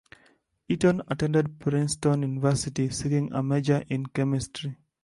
Eaton attended Princeton University seeking a major in chemistry.